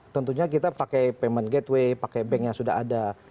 tentunya kita pakai payment gateway pakai bank yang sudah ada